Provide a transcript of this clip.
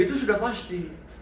itu sudah pasti